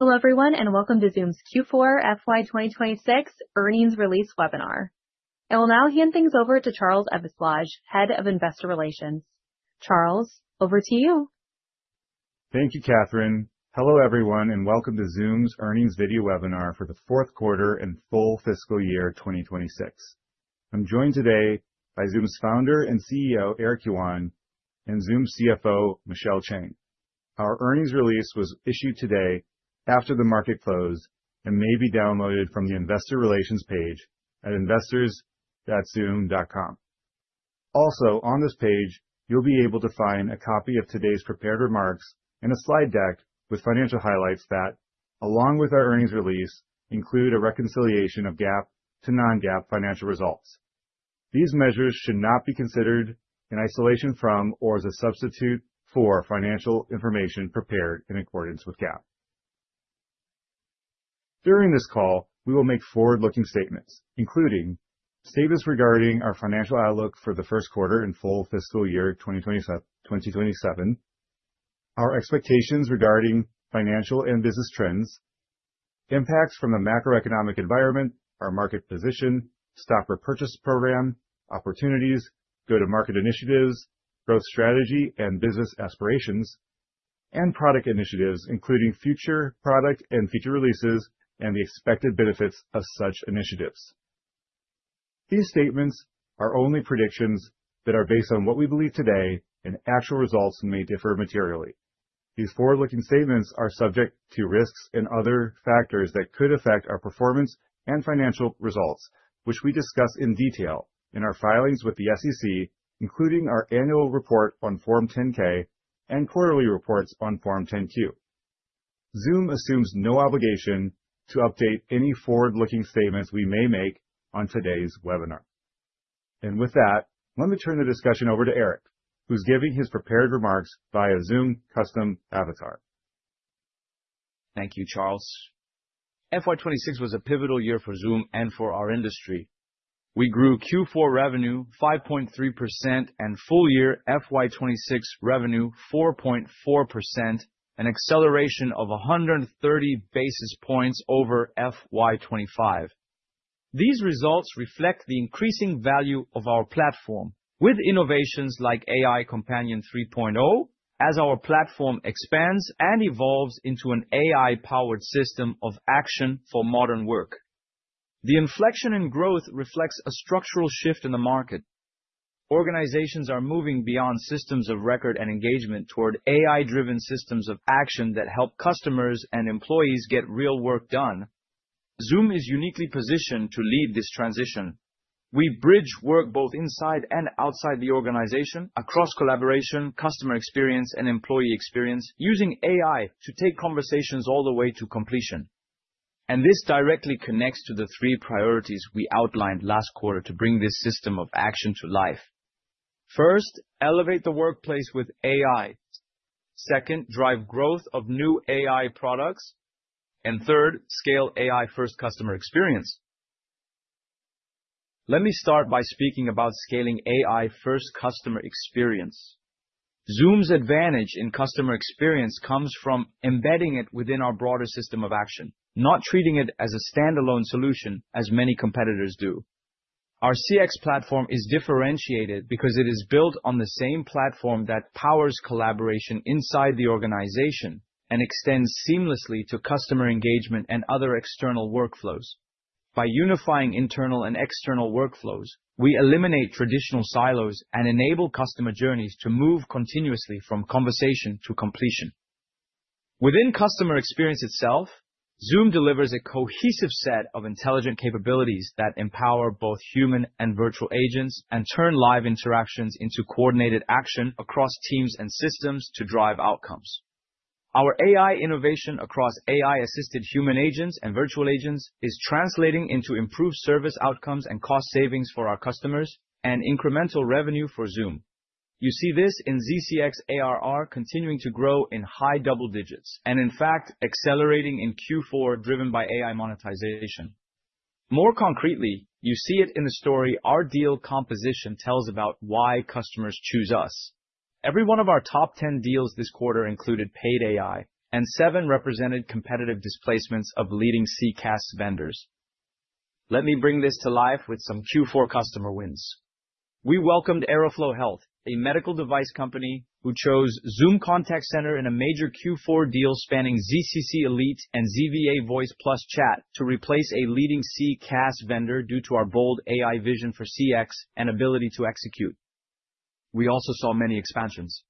Hello, everyone, and welcome to Zoom's Q4 FY 2026 earnings release webinar. I will now hand things over to Charles Eveslage, Head of Investor Relations. Charles, over to you. Thank you, Catherine. Hello, everyone, welcome to Zoom's earnings video webinar for the fourth quarter and full fiscal year 2026. I'm joined today by Zoom's founder and CEO, Eric Yuan, and Zoom's CFO, Michelle Chang. Our earnings release was issued today after the market closed and may be downloaded from the Investor Relations page at investors.zoom.com. Also, on this page, you'll be able to find a copy of today's prepared remarks and a slide deck with financial highlights that, along with our earnings release, include a reconciliation of GAAP to non-GAAP financial results. These measures should not be considered in isolation from or as a substitute for financial information prepared in accordance with GAAP. During this call, we will make forward-looking statements, including statements regarding our financial outlook for the first quarter and full fiscal year 2027, our expectations regarding financial and business trends, impacts from the macroeconomic environment, our market position, stock repurchase program, opportunities, go-to-market initiatives, growth strategy and business aspirations, and product initiatives, including future product and feature releases and the expected benefits of such initiatives. These statements are only predictions that are based on what we believe today, and actual results may differ materially. These forward-looking statements are subject to risks and other factors that could affect our performance and financial results, which we discuss in detail in our filings with the SEC, including our annual report on Form 10-K and quarterly reports on Form 10-Q. Zoom assumes no obligation to update any forward-looking statements we may make on today's webinar. With that, let me turn the discussion over to Eric, who's giving his prepared remarks via Zoom Custom Avatars. Thank you, Charles. FY 2026 was a pivotal year for Zoom and for our industry. We grew Q4 revenue 5.3% and full year FY 2026 revenue 4.4%, an acceleration of 130 basis points over FY 2025. These results reflect the increasing value of our platform with innovations like AI Companion 3.0, as our platform expands and evolves into an AI-powered system of action for modern work. The inflection in growth reflects a structural shift in the market. Organizations are moving beyond systems of record and engagement toward AI-driven systems of action that help customers and employees get real work done. Zoom is uniquely positioned to lead this transition. We bridge work both inside and outside the organization, across collaboration, customer experience, and employee experience, using AI to take conversations all the way to completion. This directly connects to the three priorities we outlined last quarter to bring this system of action to life. First, elevate the Workplace with AI. Second, drive growth of new AI products. Third, scale AI-first customer experience. Let me start by speaking about scaling AI-first customer experience. Zoom's advantage in customer experience comes from embedding it within our broader system of action, not treating it as a standalone solution, as many competitors do. Our CX platform is differentiated because it is built on the same platform that powers collaboration inside the organization and extends seamlessly to customer engagement and other external workflows. By unifying internal and external workflows, we eliminate traditional silos and enable customer journeys to move continuously from conversation to completion. Within customer experience itself, Zoom delivers a cohesive set of intelligent capabilities that empower both human and virtual agents and turn live interactions into coordinated action across teams and systems to drive outcomes. Our AI innovation across AI-assisted human agents and virtual agents is translating into improved service outcomes and cost savings for our customers and incremental revenue for Zoom. You see this in ZCX ARR continuing to grow in high double digits, and in fact, accelerating in Q4, driven by AI monetization. More concretely, you see it in the story our deal composition tells about why customers choose us. Every one of our top 10 deals this quarter included paid AI, and seven represented competitive displacements of leading CCaaS vendors. Let me bring this to life with some Q4 customer wins. We welcomed Aeroflow Health, a medical device company, who chose Zoom Contact Center in a major Q4 deal spanning ZCC Elite and ZVA Voice plus chat to replace a leading CCaaS vendor due to our bold AI vision for CX and ability to execute. We also saw many expansions.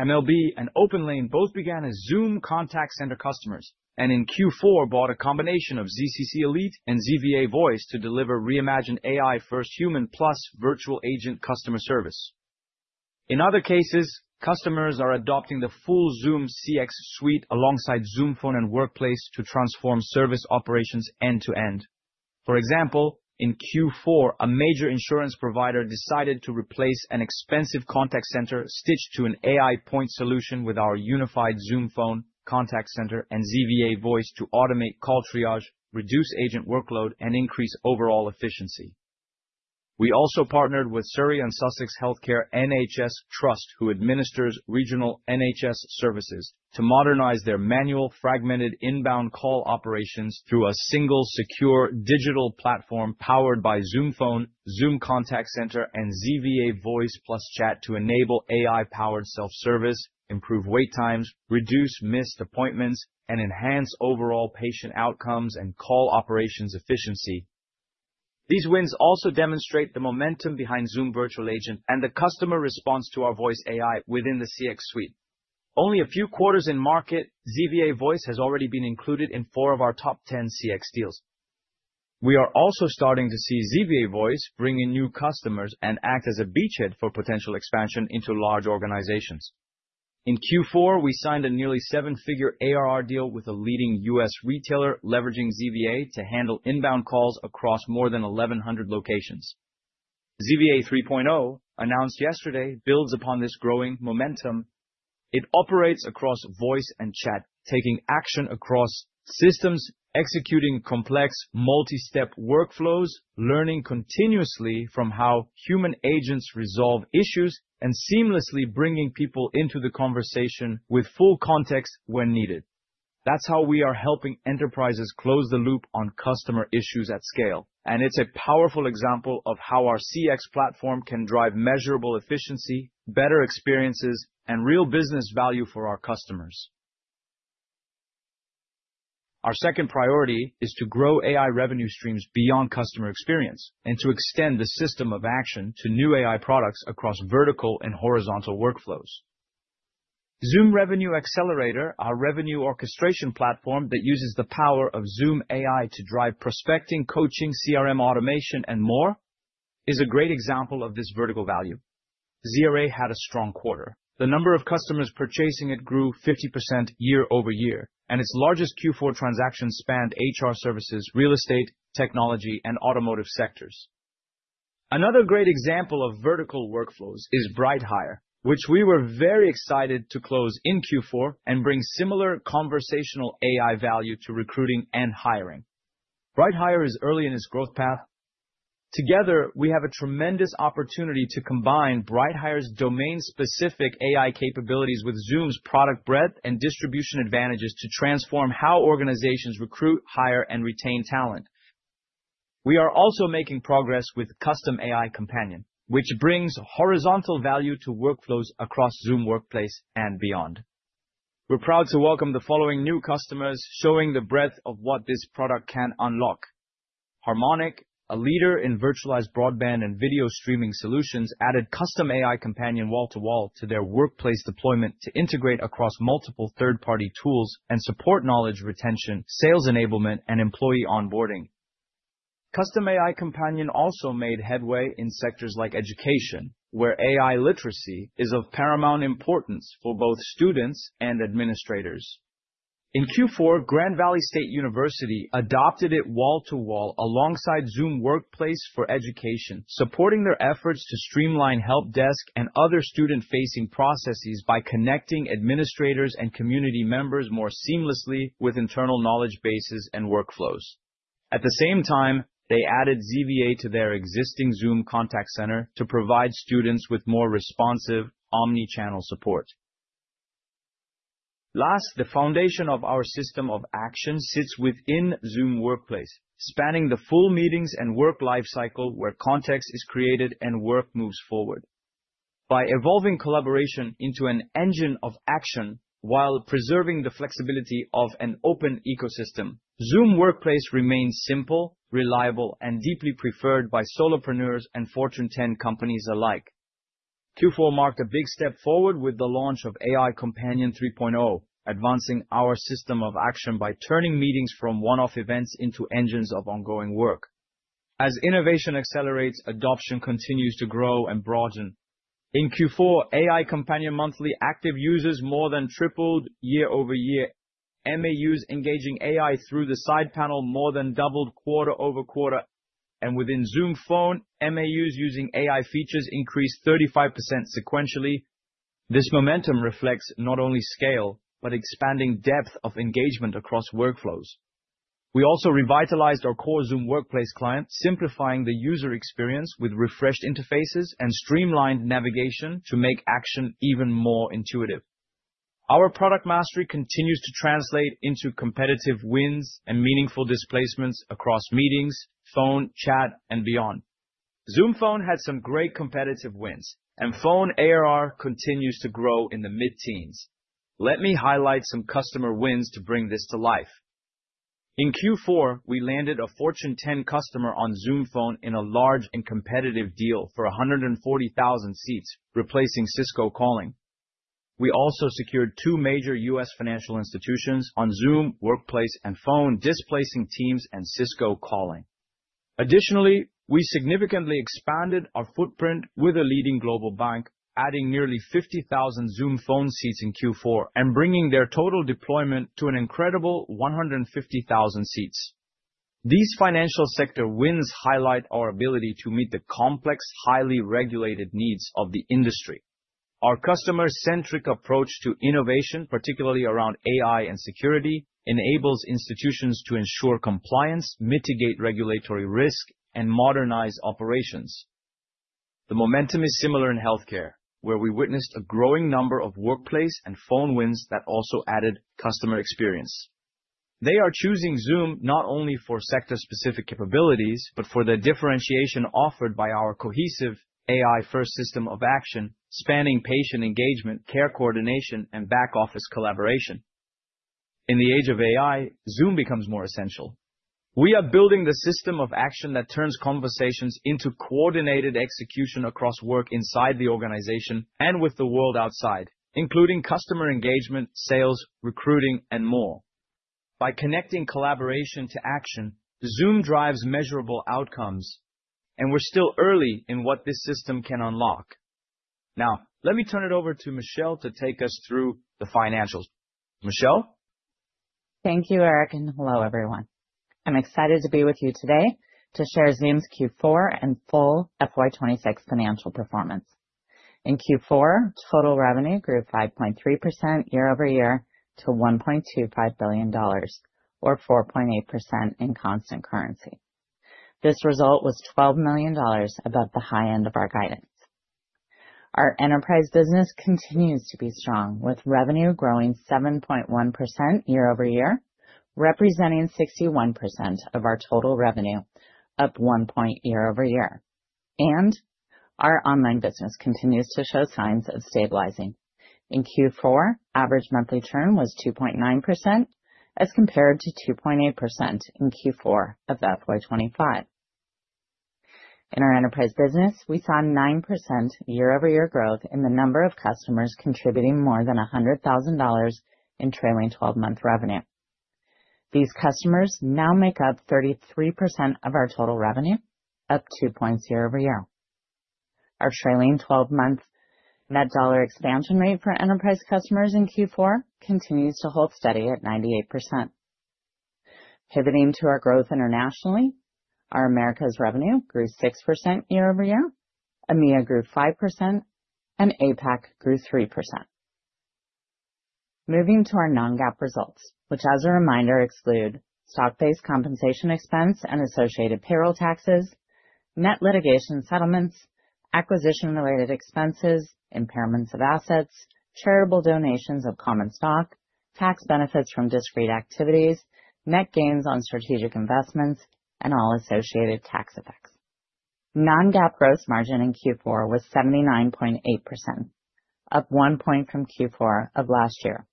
MLB and OPENLANE both began as Zoom Contact Center customers, and in Q4, bought a combination of ZCC Elite and ZVA Voice to deliver reimagined AI-first human plus virtual agent customer service. In other cases, customers are adopting the full Zoom CX suite alongside Zoom Phone and Workplace to transform service operations end-to-end. For example, in Q4, a major insurance provider decided to replace an expensive contact center stitched to an AI point solution with our unified Zoom Phone, Contact Center, and ZVA Voice to automate call triage, reduce agent workload, and increase overall efficiency. We also partnered with Surrey and Sussex Healthcare NHS Trust, who administers regional NHS services, to modernize their manual, fragmented inbound call operations through a single secure digital platform powered by Zoom Phone, Zoom Contact Center, and ZVA Voice plus chat to enable AI-powered self-service, improve wait times, reduce missed appointments, and enhance overall patient outcomes and call operations efficiency. These wins also demonstrate the momentum behind Zoom Virtual Agent and the customer response to our voice AI within the CX suite. Only a few quarters in market, ZVA Voice has already been included in four of our top 10 CX deals. We are also starting to see ZVA Voice bring in new customers and act as a beachhead for potential expansion into large organizations. In Q4, we signed a nearly seven-figure ARR deal with a leading U.S. retailer, leveraging ZVA to handle inbound calls across more than 1,100 locations. ZVA 3.0, announced yesterday, builds upon this growing momentum. It operates across voice and chat, taking action across systems, executing complex, multi-step workflows, learning continuously from how human agents resolve issues, and seamlessly bringing people into the conversation with full context when needed. That's how we are helping enterprises close the loop on customer issues at scale, and it's a powerful example of how our CX platform can drive measurable efficiency, better experiences, and real business value for our customers. Our second priority is to grow AI revenue streams beyond customer experience and to extend the system of action to new AI products across vertical and horizontal workflows. Zoom Revenue Accelerator, our revenue orchestration platform that uses the power of Zoom AI to drive prospecting, coaching, CRM automation, and more, is a great example of this vertical value. ZRA had a strong quarter. The number of customers purchasing it grew 50% year-over-year, and its largest Q4 transactions spanned HR services, real estate, technology, and automotive sectors. Another great example of vertical workflows is BrightHire, which we were very excited to close in Q4 and bring similar conversational AI value to recruiting and hiring. BrightHire is early in its growth path. Together, we have a tremendous opportunity to combine BrightHire's domain-specific AI capabilities with Zoom's product breadth and distribution advantages to transform how organizations recruit, hire, and retain talent. We are also making progress with Custom AI Companion, which brings horizontal value to workflows across Zoom Workplace and beyond. We're proud to welcome the following new customers, showing the breadth of what this product can unlock. Harmonic, a leader in virtualized broadband and video streaming solutions, added Custom AI Companion wall-to-wall to their Workplace deployment to integrate across multiple third-party tools and support knowledge retention, sales enablement, and employee onboarding. Custom AI Companion also made headway in sectors like education, where AI literacy is of paramount importance for both students and administrators. In Q4, Grand Valley State University adopted it wall-to-wall alongside Zoom Workplace for Education, supporting their efforts to streamline help desk and other student-facing processes by connecting administrators and community members more seamlessly with internal knowledge bases and workflows. At the same time, they added ZVA to their existing Zoom Contact Center to provide students with more responsive omni-channel support. Last, the foundation of our system of action sits within Zoom Workplace, spanning the full meetings and work life cycle, where context is created and work moves forward. By evolving collaboration into an engine of action while preserving the flexibility of an open ecosystem, Zoom Workplace remains simple, reliable, and deeply preferred by solopreneurs and Fortune 10 companies alike. Q4 marked a big step forward with the launch of AI Companion 3.0, advancing our system of action by turning meetings from one-off events into engines of ongoing work. As innovation accelerates, adoption continues to grow and broaden. In Q4, AI Companion monthly active users more than tripled year-over-year. MAUs engaging AI through the side panel more than doubled quarter-over-quarter, and within Zoom Phone, MAUs using AI features increased 35% sequentially. This momentum reflects not only scale, but expanding depth of engagement across workflows. We also revitalized our core Zoom Workplace client, simplifying the user experience with refreshed interfaces and streamlined navigation to make action even more intuitive. Our product mastery continues to translate into competitive wins and meaningful displacements across meetings, phone, chat, and beyond. Zoom Phone had some great competitive wins, and Phone ARR continues to grow in the mid-teens. Let me highlight some customer wins to bring this to life. In Q4, we landed a Fortune 10 customer on Zoom Phone in a large and competitive deal for 140,000 seats, replacing Cisco Calling. We also secured two major U.S. financial institutions on Zoom, Workplace, and Phone, displacing Teams and Cisco Calling. We significantly expanded our footprint with a leading global bank, adding nearly 50,000 Zoom Phone seats in Q4 and bringing their total deployment to an incredible 150,000 seats. These financial sector wins highlight our ability to meet the complex, highly regulated needs of the industry. Our customer-centric approach to innovation, particularly around AI and security, enables institutions to ensure compliance, mitigate regulatory risk, and modernize operations. The momentum is similar in healthcare, where we witnessed a growing number of workplace and phone wins that also added customer experience. They are choosing Zoom not only for sector-specific capabilities, but for the differentiation offered by our cohesive AI-first system of action, spanning patient engagement, care coordination, and back-office collaboration. In the age of AI, Zoom becomes more essential. We are building the system of action that turns conversations into coordinated execution across work inside the organization and with the world outside, including customer engagement, sales, recruiting, and more. By connecting collaboration to action, Zoom drives measurable outcomes, and we're still early in what this system can unlock. Let me turn it over to Michelle to take us through the financials. Michelle? Thank you, Eric. Hello, everyone. I'm excited to be with you today to share Zoom's Q4 and full FY 2026 financial performance. In Q4, total revenue grew 5.3% year-over-year to $1.25 billion, or 4.8% in constant currency. This result was $12 million above the high end of our guidance. Our enterprise business continues to be strong, with revenue growing 7.1% year-over-year, representing 61% of our total revenue, up 1 point year-over-year. Our online business continues to show signs of stabilizing. In Q4, average monthly churn was 2.9%, as compared to 2.8% in Q4 of FY 2025. In our enterprise business, we saw 9% year-over-year growth in the number of customers contributing more than $100,000 in trailing 12-month revenue. These customers now make up 33% of our total revenue, up 2 points year-over-year. Our trailing 12-month net dollar expansion rate for enterprise customers in Q4 continues to hold steady at 98%. Pivoting to our growth internationally, our Americas revenue grew 6% year-over-year, EMEA grew 5%, and APAC grew 3%. Moving to our non-GAAP results, which, as a reminder, exclude stock-based compensation expense and associated payroll taxes, net litigation settlements, acquisition-related expenses, impairments of assets, charitable donations of common stock, tax benefits from discrete activities, net gains on strategic investments, and all associated tax effects. Non-GAAP gross margin in Q4 was 79.8%, up 1 point from Q4 of last year,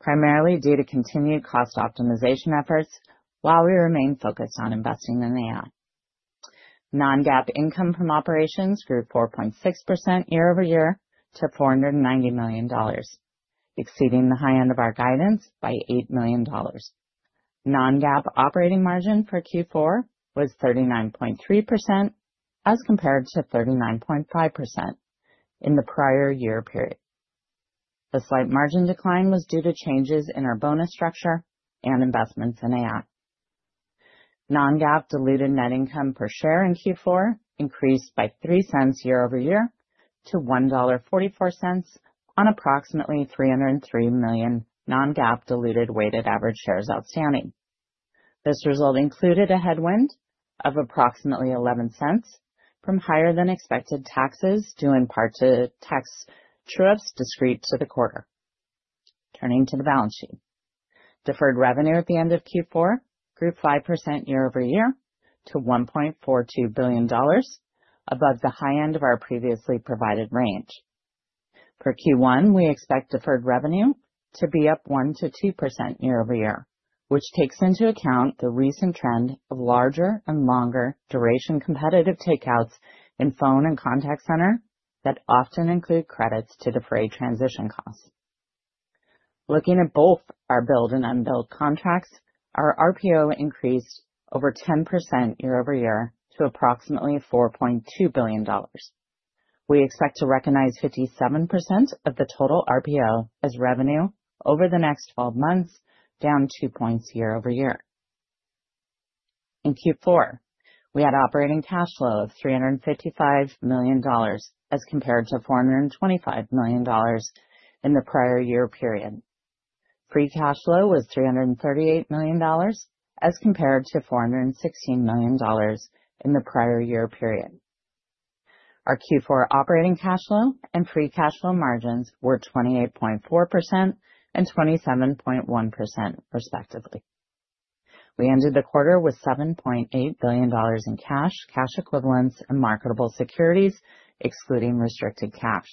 primarily due to continued cost optimization efforts while we remain focused on investing in AI. Non-GAAP income from operations grew 4.6% year-over-year to $490 million, exceeding the high end of our guidance by $8 million. Non-GAAP operating margin for Q4 was 39.3%, as compared to 39.5% in the prior year period. The slight margin decline was due to changes in our bonus structure and investments in AI. Non-GAAP diluted net income per share in Q4 increased by $0.03 year-over-year to $1.44 on approximately 303 million non-GAAP diluted weighted average shares outstanding. This result included a headwind of approximately $0.11 from higher than expected taxes, due in part to tax true-ups discrete to the quarter. Turning to the balance sheet. Deferred revenue at the end of Q4 grew 5% year-over-year to $1.42 billion, above the high end of our previously provided range. For Q1, we expect deferred revenue to be up 1%-2% year-over-year, which takes into account the recent trend of larger and longer duration competitive takeouts in phone and contact center that often include credits to defray transition costs. Looking at both our billed and unbilled contracts, our RPO increased over 10% year-over-year to approximately $4.2 billion. We expect to recognize 57% of the total RPO as revenue over the next 12 months, down 2 points year-over-year. In Q4, we had operating cash flow of $355 million, as compared to $425 million in the prior year period. Free cash flow was $338 million, as compared to $416 million in the prior year period. Our Q4 operating cash flow and free cash flow margins were 28.4% and 27.1%, respectively. We ended the quarter with $7.8 billion in cash equivalents, and marketable securities, excluding restricted cash.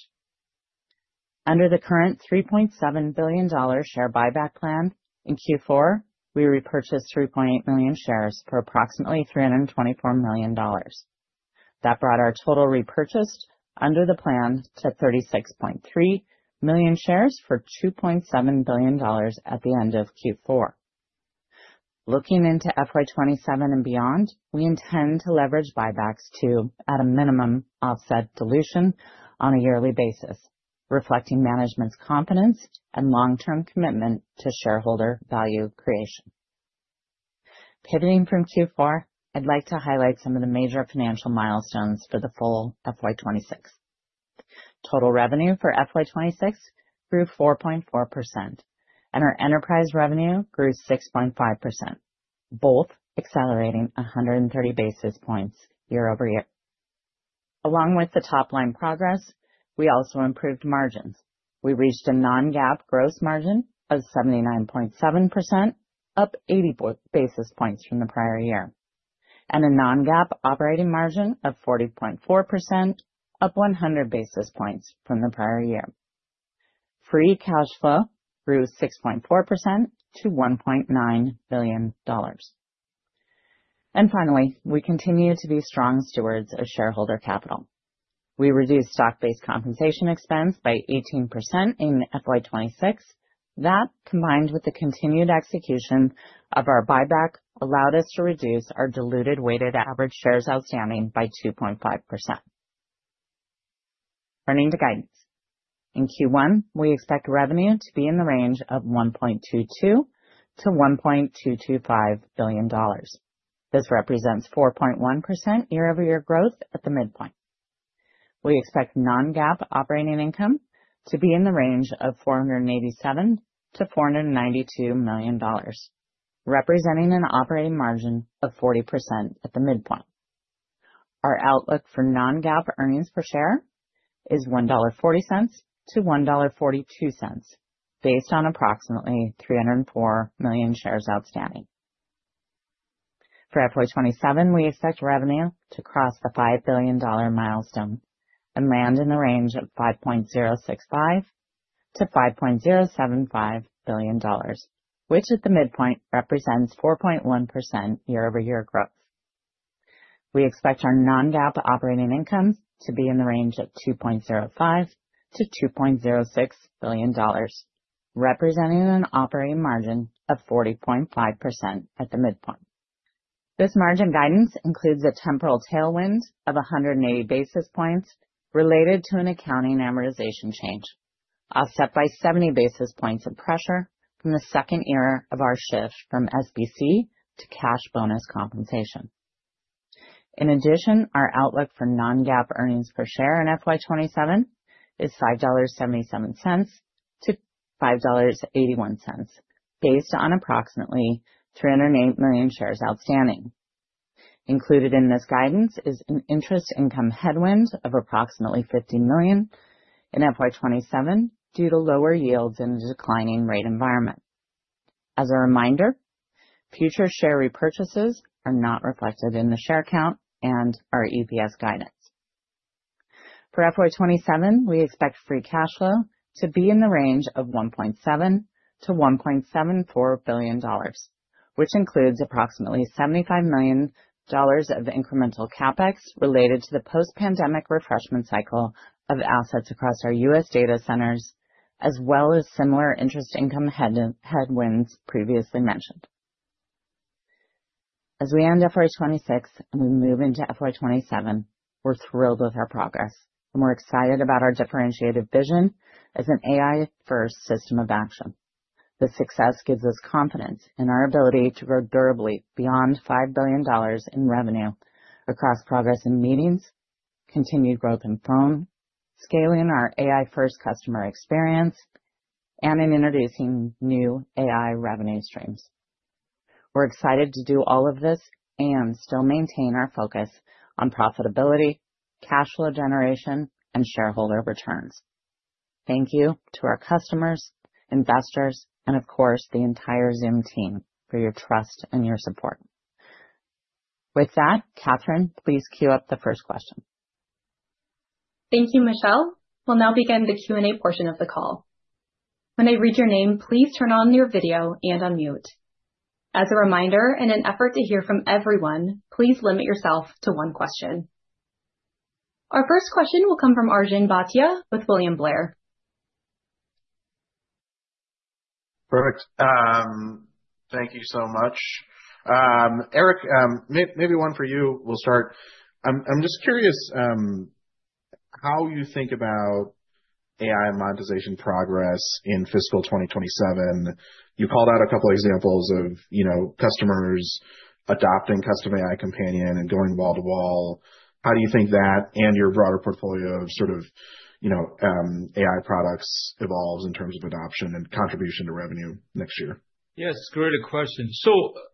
Under the current $3.7 billion share buyback plan, in Q4, we repurchased 3.8 million shares for approximately $324 million. That brought our total repurchased under the plan to 36.3 million shares for $2.7 billion at the end of Q4. Looking into FY 2027 and beyond, we intend to leverage buybacks to, at a minimum, offset dilution on a yearly basis, reflecting management's confidence and long-term commitment to shareholder value creation. Pivoting from Q4, I'd like to highlight some of the major financial milestones for the full FY 2026. Total revenue for FY 2026 grew 4.4%. Our enterprise revenue grew 6.5%, both accelerating 130 basis points year-over-year. Along with the top line progress, we also improved margins. We reached a non-GAAP gross margin of 79.7%, up 80 basis points from the prior year. A non-GAAP operating margin of 40.4%, up 100 basis points from the prior year. Free cash flow grew 6.4% to $1.9 billion. Finally, we continue to be strong stewards of shareholder capital. We reduced stock-based compensation expense by 18% in FY 2026. That, combined with the continued execution of our buyback, allowed us to reduce our diluted weighted average shares outstanding by 2.5%. Earning to guidance. In Q1, we expect revenue to be in the range of $1.22 billion-$1.225 billion. This represents 4.1% year-over-year growth at the midpoint. We expect non-GAAP operating income to be in the range of $487 million-$492 million, representing an operating margin of 40% at the midpoint. Our outlook for non-GAAP earnings per share is $1.40-$1.42, based on approximately 304 million shares outstanding. For FY 2027, we expect revenue to cross the $5 billion milestone and land in the range of $5.065 billion-$5.075 billion, which at the midpoint represents 4.1% year-over-year growth. We expect our non-GAAP operating income to be in the range of $2.05 billion-$2.06 billion, representing an operating margin of 40.5% at the midpoint. This margin guidance includes a temporal tailwind of 180 basis points related to an accounting amortization change, offset by 70 basis points of pressure from the second year of our shift from SBC to cash bonus compensation. In addition, our outlook for non-GAAP earnings per share in FY 2027 is $5.77-$5.81, based on approximately 308 million shares outstanding. Included in this guidance is an interest income headwind of approximately $50 million in FY 2027 due to lower yields in a declining rate environment. As a reminder, future share repurchases are not reflected in the share count and our EPS guidance. For FY 2027, we expect free cash flow to be in the range of $1.7 billion-$1.74 billion, which includes approximately $75 million of incremental CapEx related to the post-pandemic refreshment cycle of assets across our U.S. data centers, as well as similar interest income headwinds previously mentioned. As we end FY 2026 and we move into FY 2027, we're thrilled with our progress, and we're excited about our differentiated vision as an AI-first system of action. This success gives us confidence in our ability to grow durably beyond $5 billion in revenue across progress in meetings, continued growth in phone, scaling our AI-first customer experience, and in introducing new AI revenue streams. We're excited to do all of this and still maintain our focus on profitability, cash flow generation, and shareholder returns. Thank you to our customers, investors, and of course, the entire Zoom team, for your trust and your support. With that, Catherine, please queue up the first question. Thank you, Michelle. We'll now begin the Q&A portion of the call. When I read your name, please turn on your video and unmute. As a reminder, in an effort to hear from everyone, please limit yourself to one question. Our first question will come from Arjun Bhatia with William Blair. Perfect. Thank you so much. Eric, maybe one for you, we'll start. I'm just curious, how you think about AI and monetization progress in fiscal 2027. You called out a couple of examples of, you know, customers adopting Custom AI Companion and going wall-to-wall. How do you think that and your broader portfolio of sort of, you know, AI products evolves in terms of adoption and contribution to revenue next year? Yes, great question.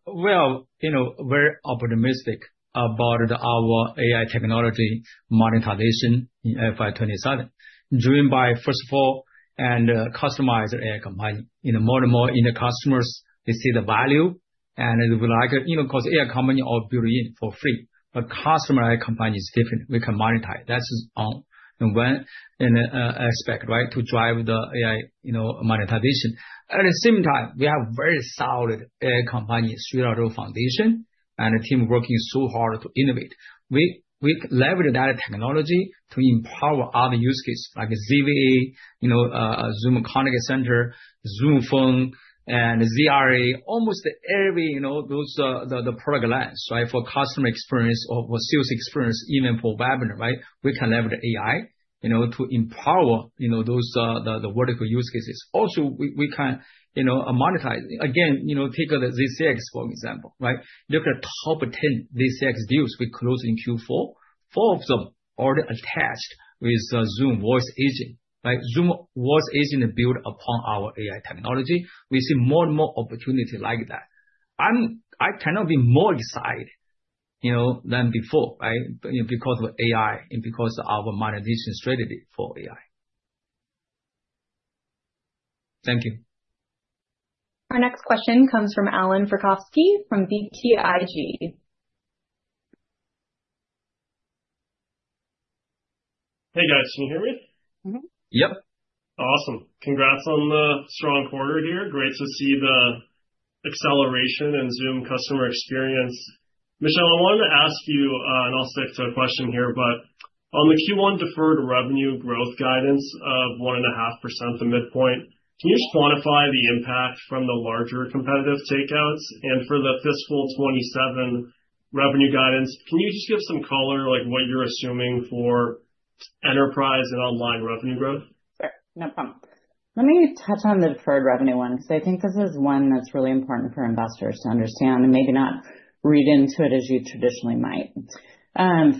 Well, you know, very optimistic about our AI technology monetization in FY 2027, driven by, first of all, and Custom AI Companion. You know, more and more in the customers, they see the value, and they would like it, you know, because AI Companion are built in for free, but Custom AI Companion is different. We can monetize. That's on one aspect, right, to drive the AI, you know, monetization. At the same time, we have very solid AI Companion foundation and a team working so hard to innovate. We leverage that technology to empower other use cases like ZVA, you know, Zoom Contact Center, Zoom Phone, and ZRA. Almost every, you know, those, the product lines, right, for customer experience or sales experience, even for webinar, right, we can leverage AI, you know, to empower, you know, those, the vertical use cases. We can, you know, monetize. You know, take the ZCX, for example, right? Look at top 10 ZCX deals we closed in Q4, four of them already attached with Zoom Voice Agent, right? Zoom Voice Agent built upon our AI technology. We see more and more opportunity like that. I cannot be more excited, you know, than before, right? Because of AI and because of our monetization strategy for AI. Thank you. Our next question comes from Allan Verkhovski from BTIG. Hey, guys, can you hear me? Yep. Awesome. Congrats on the strong quarter here. Great to see the acceleration and Zoom customer experience. Michelle, I wanted to ask you, and I'll stick to the question here, but on the Q1 deferred revenue growth guidance of 1.5% to midpoint, can you quantify the impact from the larger competitive takeouts? For the fiscal 2027 revenue guidance, can you just give some color, like, what you're assuming for enterprise and online revenue growth? Sure, no problem. Let me touch on the deferred revenue one, because I think this is one that's really important for investors to understand and maybe not read into it as you traditionally might.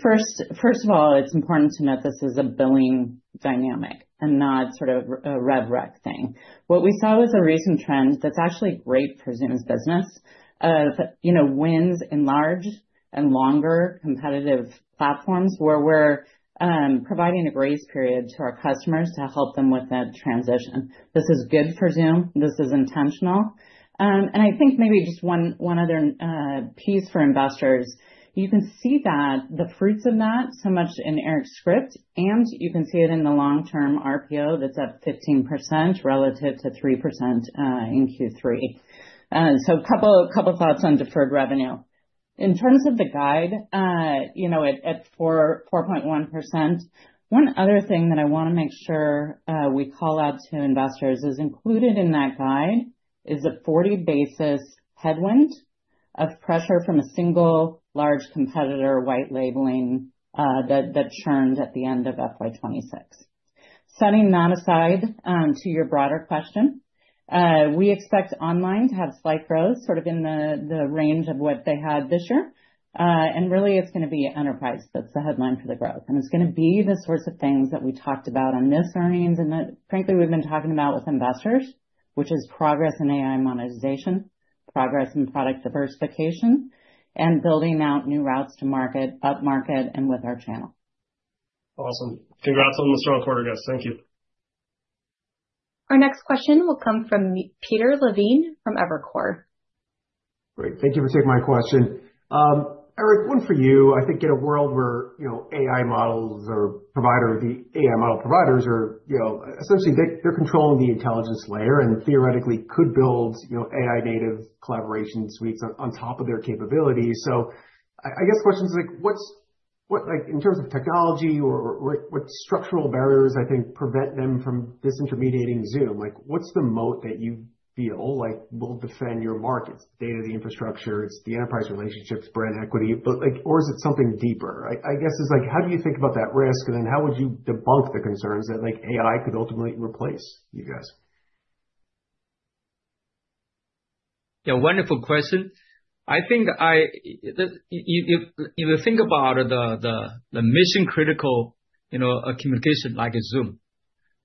First of all, it's important to note this is a billing dynamic and not sort of a rev rec thing. What we saw was a recent trend that's actually great for Zoom's business of, you know, wins in large and longer competitive platforms, where we're providing a grace period to our customers to help them with that transition. This is good for Zoom. This is intentional. I think maybe just one other piece for investors, you can see that the fruits of that, so much in Eric's script, and you can see it in the long-term RPO that's up 15% relative to 3% in Q3. A couple thoughts on deferred revenue. In terms of the guide, you know, at 4.1%, one other thing that I want to make sure we call out to investors is included in that guide is a 40 basis headwind of pressure from a single large competitor, white labeling, that churned at the end of FY 2026. Setting that aside, to your broader question, we expect online to have slight growth, sort of in the range of what they had this year. Really, it's going to be enterprise that's the headline for the growth. It's going to be the sorts of things that we talked about on this earnings, and that frankly, we've been talking about with investors, which is progress in AI monetization, progress in product diversification, and building out new routes to market, upmarket, and with our channel. Awesome. Congrats on the strong quarter, guys. Thank you. Our next question will come from Peter Levine from Evercore. Great. Thank you for taking my question. Eric, one for you. I think in a world where, you know, AI models or provider, the AI model providers are, you know, essentially, they're controlling the intelligence layer and theoretically could build, you know, AI-native collaboration suites on top of their capabilities. I guess the question is like, What, like, in terms of technology or what structural barriers, I think, prevent them from disintermediating Zoom? Like, what's the moat that you feel like will defend your markets? Data, the infrastructure, it's the enterprise relationships, brand equity, but like, or is it something deeper? I guess it's like, how do you think about that risk, and then how would you debunk the concerns that, like, AI could ultimately replace you guys? Wonderful question. If, if you think about the mission-critical, you know, communication like Zoom,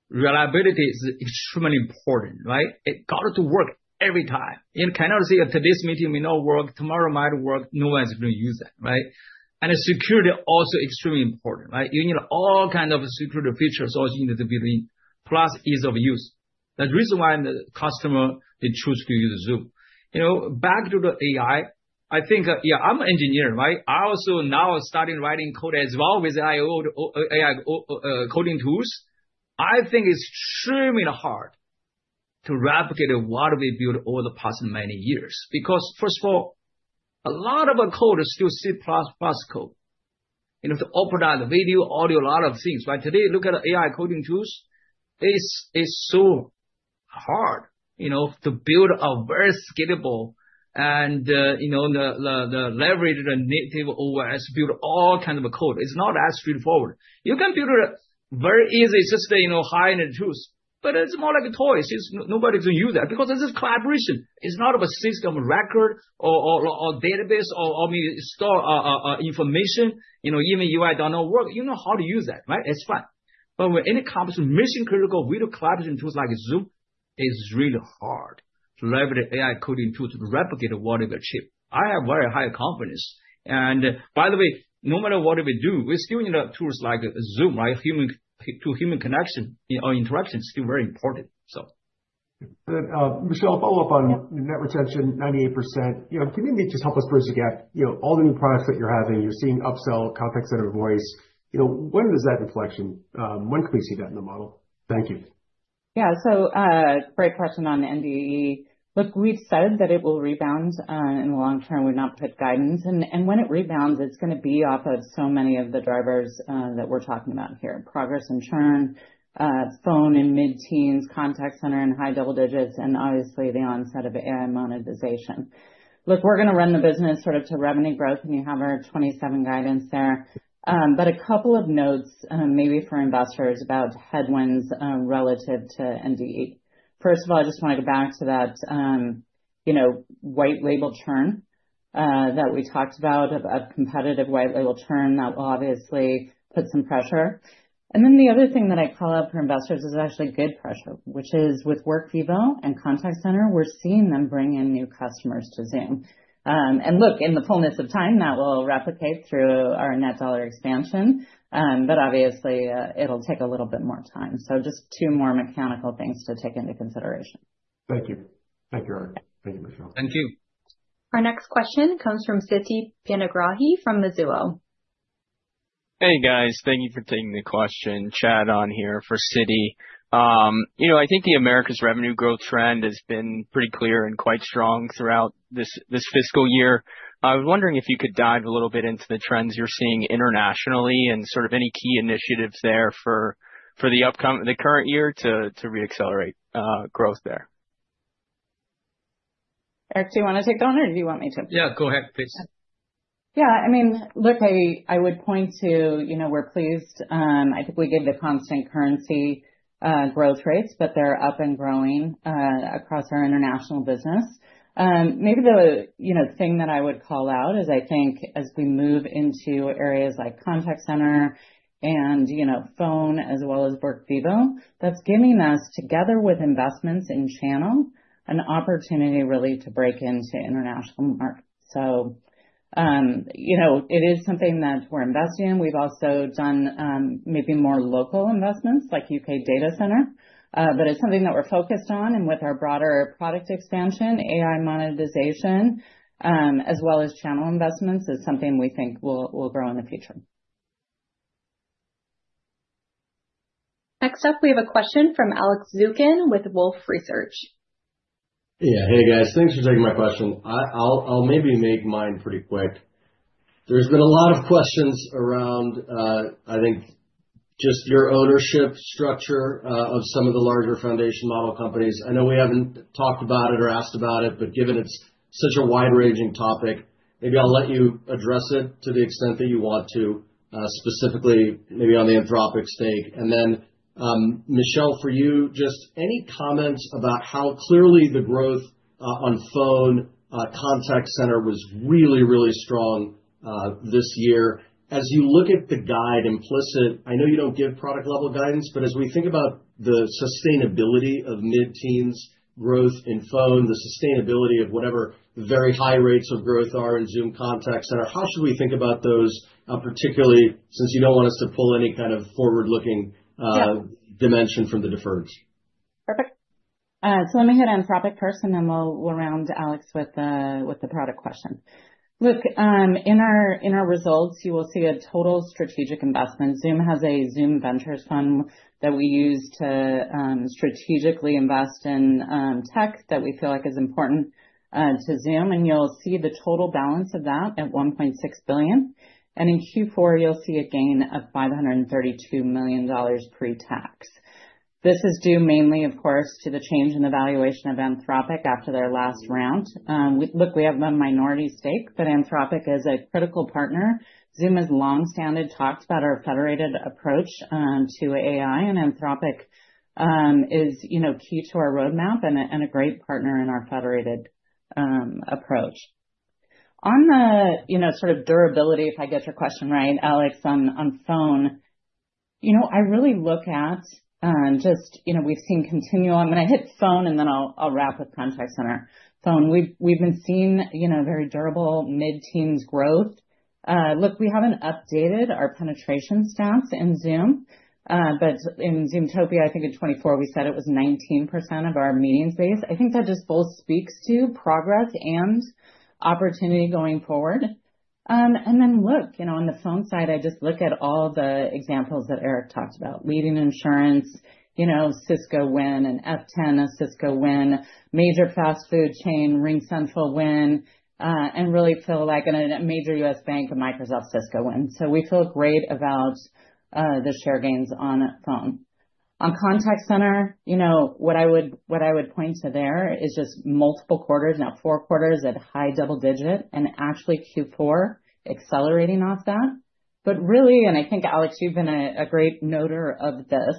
reliability is extremely important, right? It got to work every time. You cannot say, "Today's meeting may not work, tomorrow might work," no one's going to use that, right? Security also extremely important, right? You need all kind of security features, also you need to build in, plus ease of use. The reason why the customer they choose to use Zoom. You know, back to the AI, I think, I'm an engineer, right? I also now starting writing code as well with IO, AI coding tools. I think it's extremely hard to replicate what we built over the past many years. First of all, a lot of our code is still C++ code. You know, to optimize the video, audio, a lot of things, right? Today, look at the AI coding tools. It's so hard, you know, to build a very skippable and, you know, the leverage the native OS to build all kind of code. It's not as straightforward. You can build it very easy, just, you know, high-end tools, but it's more like a toys. It's nobody to use that because this is collaboration. It's not a system of record or database or store information. You know, even UI don't know work. You know how to use that, right? It's fine. When it comes to mission-critical video collaboration tools like Zoom, it's really hard to leverage the AI coding tools to replicate whatever achieve. I have very high confidence. By the way, no matter what we do, we still need tools like Zoom, right? Human-to-human connection or interaction is still very important. Michelle, follow up on net retention, 98%. You know, can you maybe just help us bridge the gap? You know, all the new products that you're having, you're seeing upsell, contact center voice, you know, when does that inflection, when can we see that in the model? Thank you. Yeah. Great question on NBE. Look, we've said that it will rebound in the long term. We've not put guidance, and when it rebounds, it's going to be off of so many of the drivers that we're talking about here, progress in churn, phone in mid-teens, contact center in high double digits, and obviously the onset of AI monetization. Look, we're gonna run the business sort of to revenue growth, and you have our 2027 guidance there. A couple of notes maybe for investors about headwinds relative to NBE. First of all, I just wanted to go back to that, you know, white label churn that we talked about, of competitive white label churn. That will obviously put some pressure. The other thing that I call out for investors is actually good pressure, which is with Workvivo and Contact Center, we're seeing them bring in new customers to Zoom. Look, in the fullness of time, that will replicate through our net dollar expansion, but obviously, it'll take a little bit more time. Just two more mechanical things to take into consideration. Thank you. Thank you, Eric. Thank you, Michelle. Thank you. Our next question comes from Siti Panigrahi from Mizuho. Hey, guys. Thank you for taking the question. Chad on here for Siti. You know, I think the America's revenue growth trend has been pretty clear and quite strong throughout this fiscal year. I was wondering if you could dive a little bit into the trends you're seeing internationally and sort of any key initiatives there for the current year to reaccelerate growth there. Eric, do you want to take that one, or do you want me to? Yeah, go ahead, please. Yeah, I mean, look, I would point to, you know, we're pleased. I think we give the constant currency growth rates, but they're up and growing across our international business. Maybe the, you know, thing that I would call out is I think as we move into areas like Contact Center and, you know, Phone, as well as Workvivo, that's giving us, together with investments in channel, an opportunity really to break into international markets. You know, it is something that we're investing in. We've also done maybe more local investments like U.K. Data Center, but it's something that we're focused on, and with our broader product expansion, AI monetization, as well as channel investments, is something we think will grow in the future. Next up, we have a question from Alex Zukin with Wolfe Research. Yeah. Hey, guys, thanks for taking my question. I'll maybe make mine pretty quick. There's been a lot of questions around, I think, just your ownership structure of some of the larger foundation model companies. I know we haven't talked about it or asked about it, but given it's such a wide-ranging topic, maybe I'll let you address it to the extent that you want to, specifically maybe on the Anthropic stake. Michelle, for you, just any comments about how clearly the growth on phone, contact center was really strong this year. As you look at the guide implicit, I know you don't give product level guidance, but as we think about the sustainability of mid-teens growth in phone, the sustainability of whatever very high rates of growth are in Zoom Contact Center, how should we think about those, particularly since you don't want us to pull any kind of forward-looking dimension from the deferred? Perfect. Let me hit Anthropic first, and then we'll round to Alex with the product question. Look, in our results, you will see a total strategic investment. Zoom has a Zoom Ventures fund that we use to strategically invest in tech that we feel like is important to Zoom, and you'll see the total balance of that at $1.6 billion. In Q4, you'll see a gain of $532 million pre-tax. This is due mainly, of course, to the change in the valuation of Anthropic after their last round. Look, we have a minority stake, but Anthropic is a critical partner. Zoom has long-standing talks about our federated approach to AI, and Anthropic is, you know, key to our roadmap and a great partner in our federated approach. On the, you know, sort of durability, if I get your question right, Alex, on phone, you know, I really look at just, you know, we've seen continual. I'm gonna hit Phone, and then I'll wrap Contact Center. Phone, we've been seeing, you know, very durable mid-teens growth. Look, we haven't updated our penetration stats in Zoom. In Zoomtopia, I think in 2024, we said it was 19% of our meetings base. I think that just both speaks to progress and opportunity going forward. Look, you know, on the phone side, I just look at all the examples that Eric talked about, leading insurance, you know, Cisco win, F10, a Cisco win, major fast food chain, RingCentral win. Really feel like a major U.S. bank, a Microsoft Cisco win. We feel great about the share gains on Phone. On Contact Center, you know, what I would point to there is just multiple quarters, now, four quarters at high double digit. Actually Q4 accelerating off that. Really, and I think, Alex, you've been a great noter of this,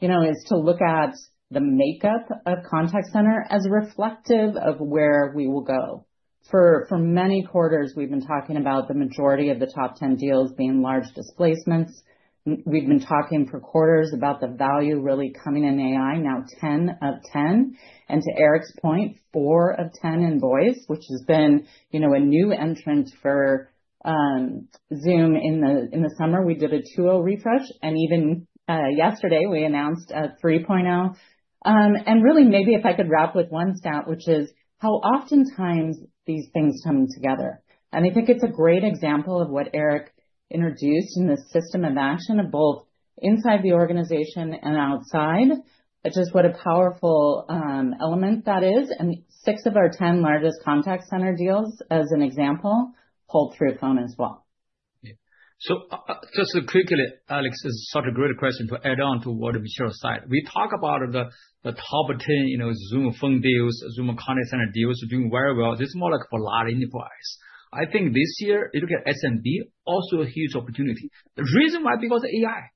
you know, is to look at the makeup of Contact Center as reflective of where we will go. For many quarters, we've been talking about the majority of the top 10 deals being large displacements. We've been talking for quarters about the value really coming in AI, now 10 of 10. To Eric's point, four of 10 in voice, which has been a new entrant for Zoom. In the summer, we did a 2.0 refresh, even yesterday, we announced a 3.0. Really, maybe if I could wrap with one stat, which is how oftentimes these things come together. I think it's a great example of what Eric introduced in the system of action of both inside the organization and outside, just what a powerful element that is, six of our 10 largest Contact Center deals, as an example, pulled through Phone as well. Yeah. Just quickly, Alex, this is such a great question to add on to what Michelle Chang said. We talk about the top 10, you know, Zoom Phone deals, Zoom Contact Center deals are doing very well. This is more like for large enterprise. I think this year, if you look at SMB, also a huge opportunity. The reason why, because of AI.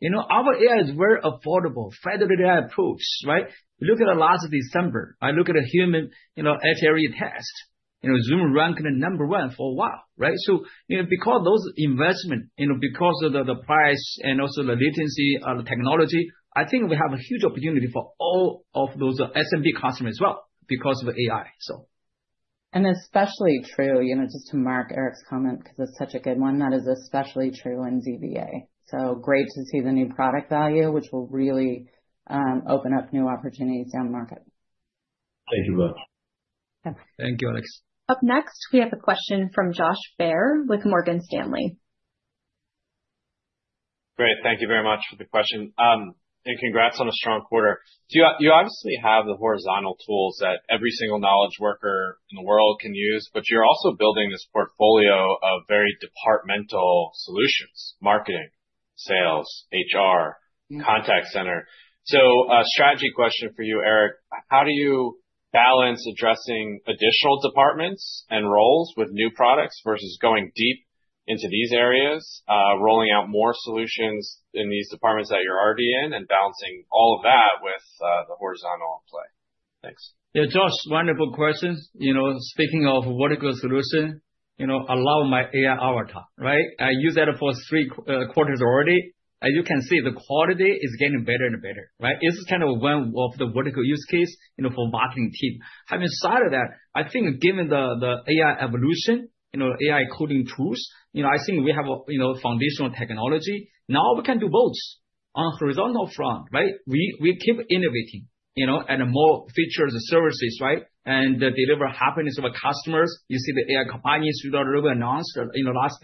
You know, our AI is very affordable, federally AI approved, right? Look at last December. I look at a human, you know, area test, you know, Zoom ranked number one for a while, right? You know, because those investment, you know, because of the price and also the latency of the technology, I think we have a huge opportunity for all of those SMB customers as well, because of AI, so. Especially true, you know, just to mark Eric's comment, 'cause it's such a good one, that is especially true in ZVA. Great to see the new product value, which will really open up new opportunities down the market. Thank you, both. Thanks. Thank you, Alex. Up next, we have a question from Josh Baer with Morgan Stanley. Great. Thank you very much for the question. Congrats on a strong quarter. You obviously have the horizontal tools that every single knowledge worker in the world can use, but you're also building this portfolio of very departmental solutions, marketing, sales, HR, contact center. A strategy question for you, Eric: How do you balance addressing additional departments and roles with new products versus going deep into these areas, rolling out more solutions in these departments that you're already in, and balancing all of that with the horizontal play? Thanks. Yeah, Josh, wonderful questions. You know, speaking of vertical solution, you know, allow my AI avatar, right? I use that for three quarters already. As you can see, the quality is getting better and better, right? This is kind of one of the vertical use case, you know, for marketing team. Having said that, I think given the AI evolution, you know, AI coding tools, you know, I think we have a, you know, foundational technology. Now, we can do both. On horizontal front, right, we keep innovating, you know, and more features and services, right? Deliver happiness to our customers. You see the AI Companions we got announced, you know, last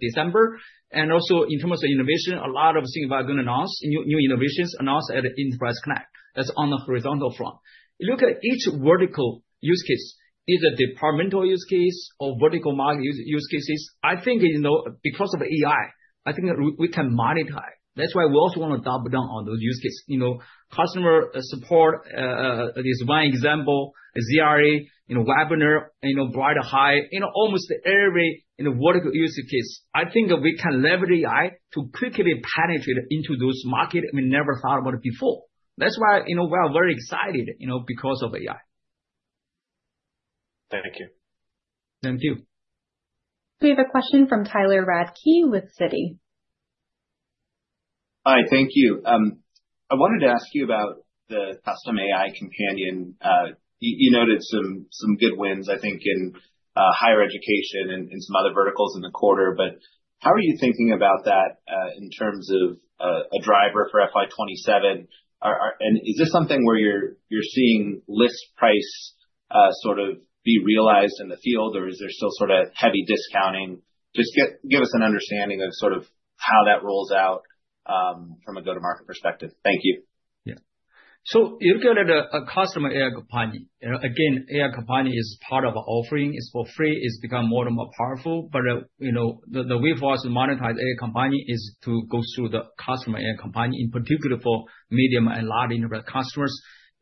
December. Also in terms of innovation, a lot of things we are going to announce, new innovations announce at Enterprise Connect. That's on the horizontal front. Look at each vertical use case, either departmental use case or vertical market use cases. I think, you know, because of AI, I think that we can monetize. That's why we also want to double down on those use cases. You know, customer support is one example, ZRA, you know, webinar, you know, BrightHire, you know, almost every, you know, vertical use case. I think we can leverage AI to quickly penetrate into those markets we never thought about it before. That's why, you know, we are very excited, you know, because of AI. Thank you. Thank you. We have a question from Tyler Radke with Citi. Hi, thank you. I wanted to ask you about the Custom AI Companion. You noted some good wins, I think, in higher education and some other verticals in the quarter, but how are you thinking about that in terms of a driver for FY 2027? Is this something where you're seeing list price sort of be realized in the field, or is there still sort of heavy discounting? Just give us an understanding of sort of how that rolls out from a go-to-market perspective. Thank you. Yeah. If you look at a Custom AI Companion, you know, again, AI Companion is part of offering, it's for free, it's become more and more powerful. You know, the way for us to monetize AI Companion is to go through the Custom AI Companion, in particular for medium and large enterprise customers,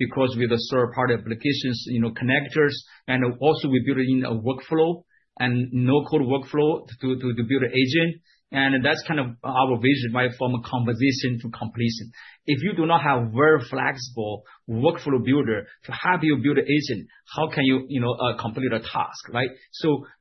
because with the third-party applications, you know, connectors, and also we build in a workflow and no-code workflow to build an agent. That's kind of our vision, right? From a composition to completion. If you do not have very flexible workflow builder to help you build an agent, how can you know, complete a task, right?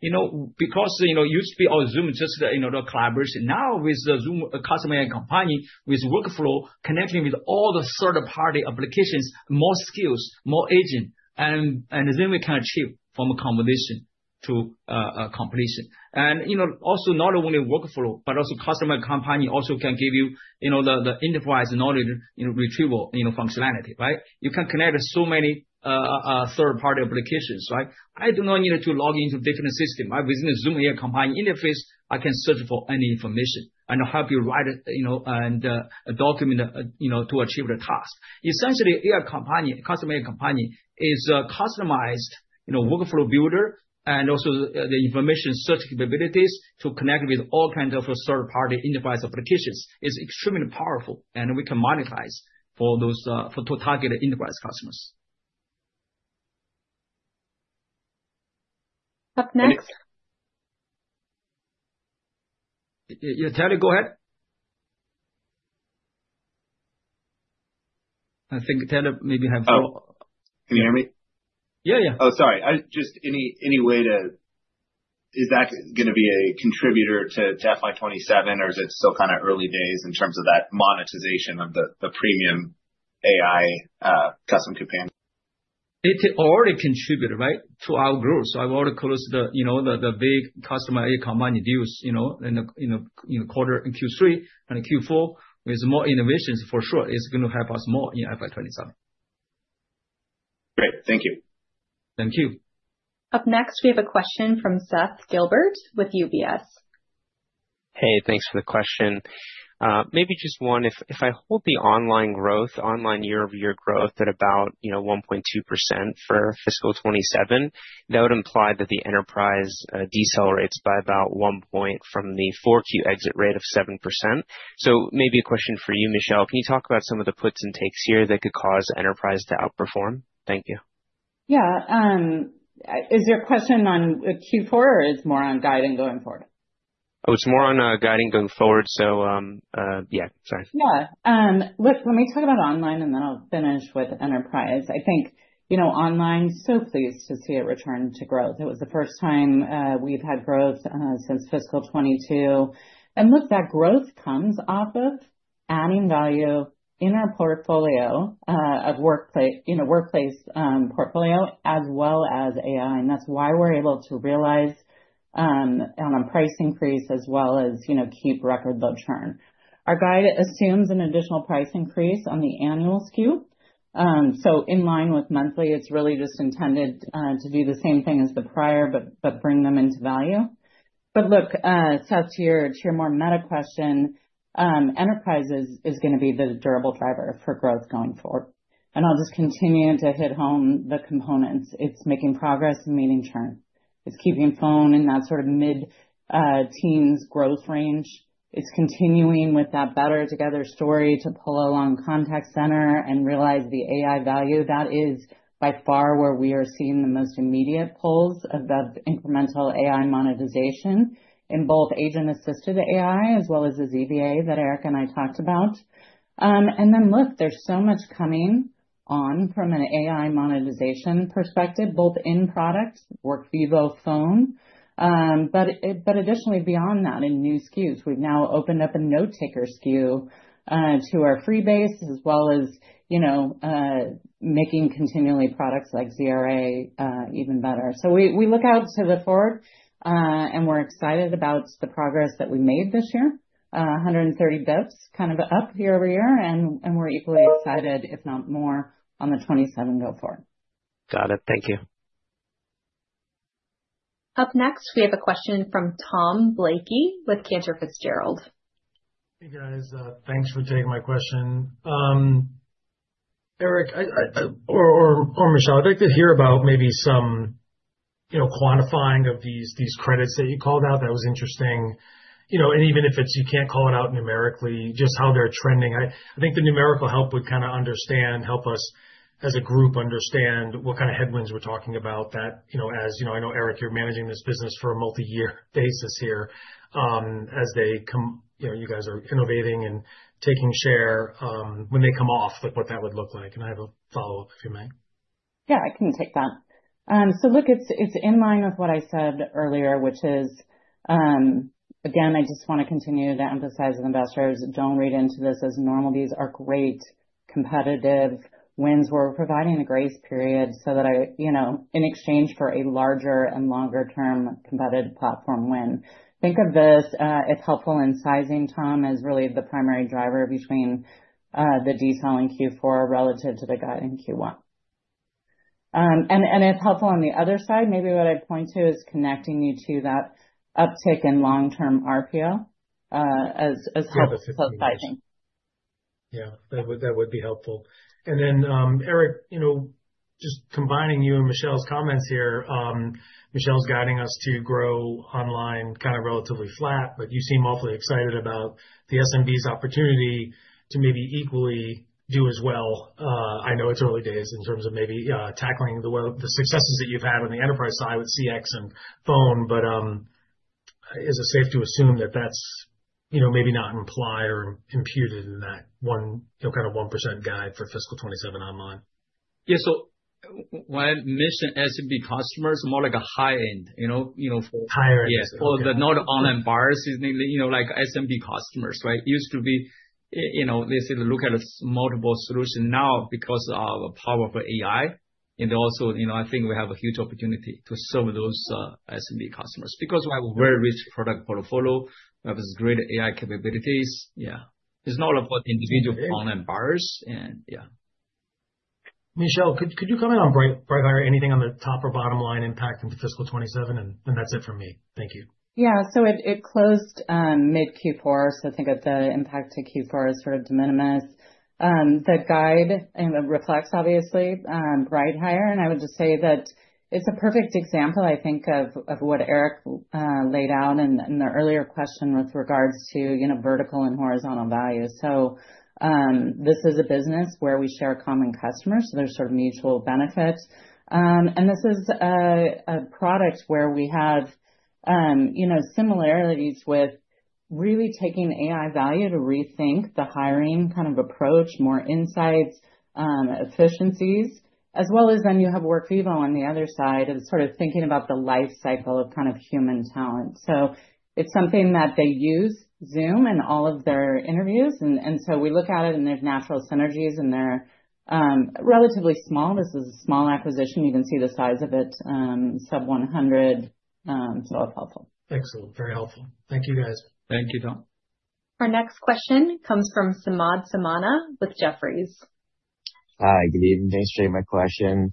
You know, because, you know, used to be all Zoom, just, you know, the collaboration. With the Zoom Custom AI Companion, with workflow, connecting with all the third-party applications, more skills, more agent, we can achieve from a combination to completion. You know, also not only workflow, but also Customer Companion also can give you the enterprise knowledge retrieval functionality, right? You can connect so many third-party applications, right? I do not need to log into different system. Within a Zoom AI Companion interface, I can search for any information and help you write it and a document to achieve the task. Essentially, AI Companion, Custom AI Companion, is a customized workflow builder and also the information search capabilities to connect with all kinds of third-party enterprise applications. It's extremely powerful, and we can monetize for those targeted enterprise customers. Up next— Yeah, Tyler, go ahead. I think Tyler maybe— Oh, can you hear me? Yeah, yeah. Oh, sorry. I just, is that going to be a contributor to FY 2027, or is it still kind of early days in terms of that monetization of the premium AI Custom Companion? It already contributed, right, to our growth. I've already closed the, you know, the big customer AI Companion deals, you know, in the, you know, in the quarter, in Q3 and Q4. With more innovations, for sure, it's going to help us more in FY 2027. Thank you. Thank you. Up next, we have a question from Seth Gilbert with UBS. Hey, thanks for the question. Maybe just one, if I hold the online growth, online year-over-year growth at about, you know, 1.2% for fiscal 2027, that would imply that the Enterprise decelerates by about 1 point from the 4Q exit rate of 7%. Maybe a question for you, Michelle, can you talk about some of the puts and takes here that could cause Enterprise to outperform? Thank you. Is your question on Q4 or it's more on guiding going forward? Oh, it's more on guiding going forward. Yeah, sorry. Yeah. Look, let me talk about online, then I'll finish with Enterprise. I think, you know, online, so pleased to see it return to growth. It was the first time we've had growth since fiscal 2022. Look, that growth comes off of adding value in our portfolio of Workplace, you know, Workplace portfolio, as well as AI. That's why we're able to realize on a price increase as well as, you know, keep record low churn. Our guide assumes an additional price increase on the annual SKU. In line with monthly, it's really just intended to do the same thing as the prior, but bring them into value. Look, so to your, to your more meta question, Enterprise is going to be the durable driver for growth going forward. I'll just continue to hit home the components. It's making progress and meeting churn. It's keeping Phone in that sort of mid-teens growth range. It's continuing with that better together story to pull along Contact Center and realize the AI value. That is by far where we are seeing the most immediate pulls of that incremental AI monetization in both agent-assisted AI as well as the ZVA that Eric Yuan and I talked about. Look, there's so much coming on from an AI monetization perspective, both in products, Workvivo, Phone, but additionally beyond that, in new SKUs, we've now opened up a note taker SKU to our free base as well as, you know, making continually products like ZRA even better. We look out to the forward, and we're excited about the progress that we made this year. 130 basis points, kind of up year-over-year, and we're equally excited, if not more, on the 2027 go forward. Got it. Thank you. Up next, we have a question from Tom Blakey with Cantor Fitzgerald. Hey, guys. Thanks for taking my question. Eric, I, or Michelle, I'd like to hear about maybe some, you know, quantifying of these credits that you called out. That was interesting. You know, and even if it's you can't call it out numerically, just how they're trending. I think the numerical help would kind of understand, help us as a group, understand what kind of headwinds we're talking about that, you know, as you know, I know, Eric, you're managing this business for a multi-year basis here. As they come, you know, you guys are innovating and taking share, when they come off, like, what that would look like. I have a follow-up, if you may. Yeah, I can take that. look, it's in line with what I said earlier, which is, again, I just want to continue to emphasize with investors, don't read into this as normal. These are great competitive wins. We're providing a grace period so that you know, in exchange for a larger and longer term competitive platform win. Think of this, it's helpful in sizing, Tom, as really the primary driver between the detail in Q4 relative to the guide in Q1. it's helpful on the other side, maybe what I'd point to is connecting you to that uptick in long-term RPO as helpful sizing. Yeah, that would be helpful. Eric, you know, just combining you and Michelle's comments here, Michelle's guiding us to grow online, kind of relatively flat, but you seem awfully excited about the SMB's opportunity to maybe equally do as well. I know it's early days in terms of maybe tackling the world, the successes that you've had on the Enterprise side with CX and Phone, but, is it safe to assume that that's, maybe not implied or computed in that one, kind of 1% guide for fiscal 2027 online? Yeah. When I mention SMB customers, more like a high end, you know. Higher end. Yes. Well, the not online buyers is, you know, like SMB customers, right? Used to be, you know, they said, look at multiple solution now because of the power of AI. Also, you know, I think we have a huge opportunity to serve those SMB customers because we have a very rich product portfolio, we have great AI capabilities. Yeah, it's not about individual online buyers, and yeah. Michelle, could you comment on BrightHire? Anything on the top or bottom line impact into fiscal 2027? That's it for me. Thank you. It closed mid Q4, so I think that the impact to Q4 is sort of de minimis. The guide reflects obviously BrightHire, and I would just say that it's a perfect example, I think, of what Eric laid down in the earlier question with regards to, you know, vertical and horizontal value. This is a business where we share common customers, so there's sort of mutual benefit. And this is a product where we have, you know, similarities with really taking AI value to rethink the hiring kind of approach, more insights, efficiencies, as well as then you have Workvivo on the other side, and sort of thinking about the life cycle of kind of human talent. It's something that they use Zoom in all of their interviews, and so we look at it and there's natural synergies, and they're, relatively small. This is a small acquisition. You can see the size of it, sub 100. That's helpful. Excellent. Very helpful. Thank you, guys. Thank you, Tom. Our next question comes from Samad Samana with Jefferies. Hi, good evening. Thanks for taking my question.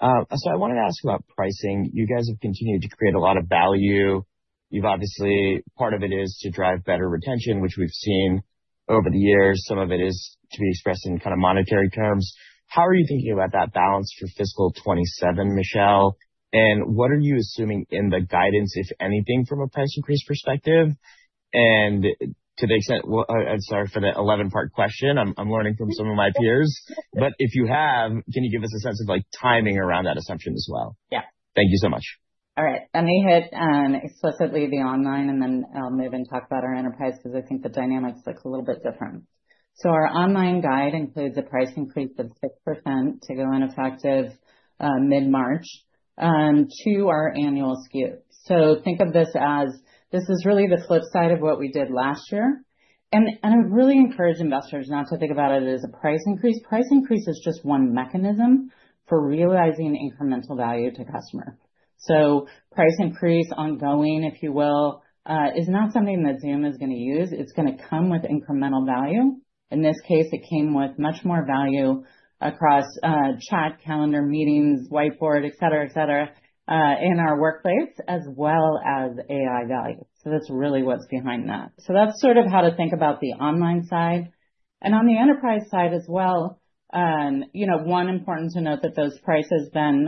I wanted to ask about pricing. You guys have continued to create a lot of value. You've obviously part of it is to drive better retention, which we've seen over the years. Some of it is to be expressed in kind of monetary terms. How are you thinking about that balance for fiscal 2027, Michelle? What are you assuming in the guidance, if anything, from a price increase perspective? To the extent, well, I'm sorry for the 11-part question. I'm learning from some of my peers. If you have, can you give us a sense of, like, timing around that assumption as well? Thank you so much. All right. Let me hit explicitly the online, and then I'll move and talk about our Enterprise, because I think the dynamics look a little bit different. Our online guide includes a price increase of 6% to go into effective mid-March to our annual SKU. Think of this as, this is really the flip side of what we did last year. I really encourage investors not to think about it as a price increase. Price increase is just one mechanism for realizing incremental value to customer. Price increase, ongoing, if you will, is not something that Zoom is going to use. It's going to come with incremental value. In this case, it came with much more value across chat, calendar, meetings, whiteboard, et cetera, et cetera, in our workplace, as well as AI value. That's really what's behind that. That's sort of how to think about the online side. On the enterprise side as well, you know, one important to note that those prices then